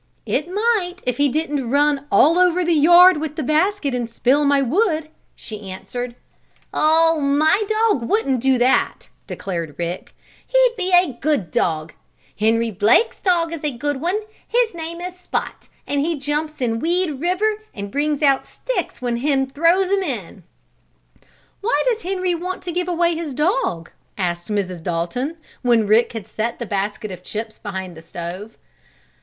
"It might, if he didn't run all over the yard with the basket, and spill my wood," she answered. "Oh, my dog wouldn't do that!" declared Rick. "He'd be a good dog. Henry Blake's dog is a good one. His name is Spot and he jumps in Weed River and brings out sticks when Hen throws 'em in." "Why does Henry want to give away his dog?" asked Mrs. Dalton, when Rick had set the basket of chips behind the stove.